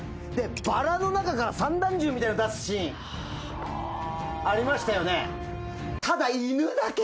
バラの中から散弾銃みたいの出すシーンありましたよね